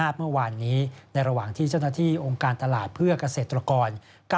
ผมไม่รู้นะขอดูก่อนนะ